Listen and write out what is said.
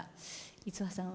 五輪さんは？